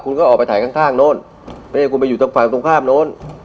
คุณก็ออกไปถ่ายข้างข้างโน้นไม่ใช่คุณไปอยู่ทางฝั่งตรงข้ามโน้น